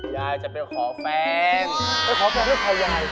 ยายจะไปขอแฟนไปขอแฟนให้ใครยังไง